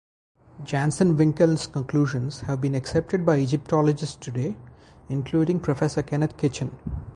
Jansen-Winkeln's conclusions have been accepted by Egyptologists today including Professor Kenneth Kitchen.